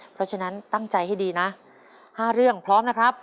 เพราะฉะนั้นตั้งใจให้ดีนะ๕เรื่องพร้อมนะครับ